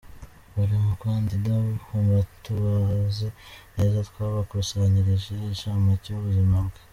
Buri mukandida ku batamuzi neza twabakusanyirije inshamake y’ubuzima bwe.